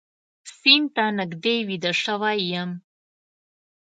سیند ته نږدې ویده شوی یم